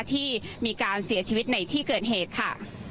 ที่มีการเสียชีวิตในที่เกิดเหตุค่ะ